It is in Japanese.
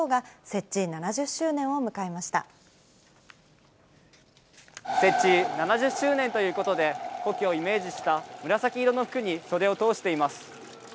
設置７０周年ということで、古希をイメージした紫色の服に袖を通しています。